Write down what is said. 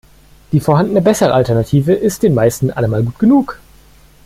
Die vorhandene bessere Alternative ist den meisten allemal gut genug.